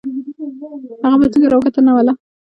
هغه په څنګ را وکتل: نه والله.